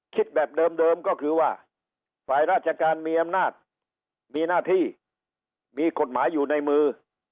คิดแบบเดิมก็คือว่าฝ่ายราชการมีอำนาจมีหน้าที่มีกฎหมายอยู่ในมือ